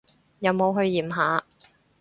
有冇去驗下？